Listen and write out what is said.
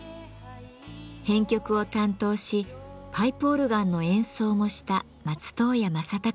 編曲を担当しパイプオルガンの演奏もした松任谷正隆さん。